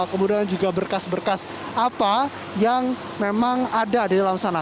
kemudian juga berkas berkas apa yang memang ada di dalam sana